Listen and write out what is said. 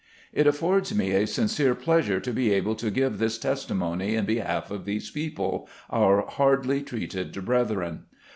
It affords me a sincere pleasure to be able to give this testimony in behalf of these people, our hardly treated brethren.